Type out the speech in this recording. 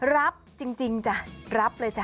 รับจริงจ้ะรับเลยจ้